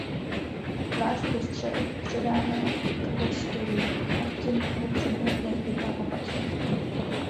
Váš postřeh předáme kvestorům a ti mohou přijmout nezbytná opatření.